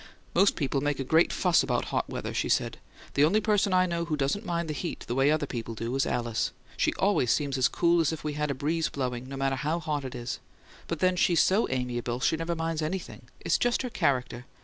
"Most people make a great fuss about hot weather," she said. "The only person I know who doesn't mind the heat the way other people do is Alice. She always seems as cool as if we had a breeze blowing, no matter how hot it is. But then she's so amiable she never minds anything. It's just her character.